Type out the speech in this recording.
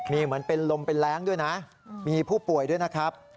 มีเหมือนเป็นลมเป็นแรงด้วยนะมีผู้ป่วยด้วยนะครับ